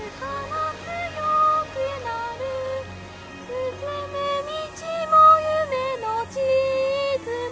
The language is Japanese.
「進む道も夢の地図も」